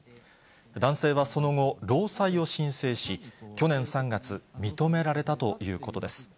男性はその後、労災を申請し、去年３月、認められたということです。